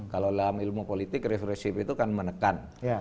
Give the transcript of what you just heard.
kalau dalam ilmu politik represif itu kan menekan